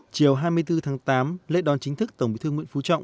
chiều hai mươi bốn tháng tám lễ đón chính thức tổng bí thư nguyễn phú trọng